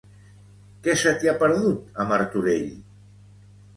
Què se t'hi ha perdut a Martorell?